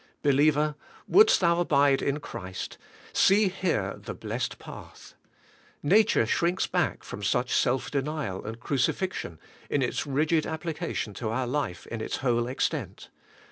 Believer, wouldest thou abide in Christ, see here the blessed path. Nature shrinks back from such self denial and crucifixion in its rigid application to our life in its whole extent.